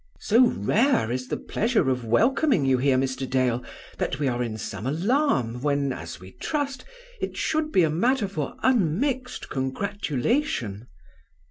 "So rare is the pleasure of welcoming you here, Mr. Dale, that we are in some alarm, when, as we trust, it should be matter for unmixed congratulation."